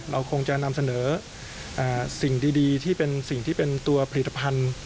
เราคงจะนำเสนอสิ่งดีที่เป็นตัวผลิตภัณฑ์